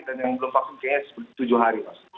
dan yang belum vaksin kayaknya tujuh hari mas